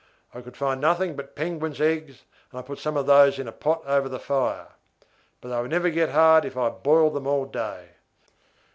I could find nothing but penguin's eggs and I put some of those in a pot over the fire. But they would never get hard if I boiled them all day.